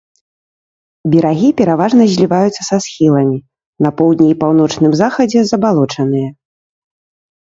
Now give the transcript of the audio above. Берагі пераважна зліваюцца са схіламі, на поўдні і паўночным захадзе забалочаныя.